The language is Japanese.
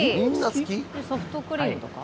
ソフトクリームとか？